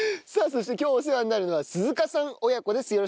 さあそして今日お世話になるのは鈴鹿さん親子です。